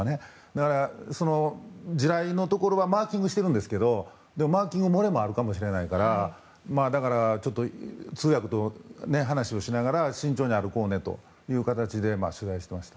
だから、その地雷のところはマーキングしてるんですけどマーキング漏れもあるかもしれないからだから、通訳と話をしながら慎重に歩こうねという形で取材していました。